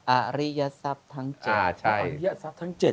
อาริยศัพท์ทั้ง๗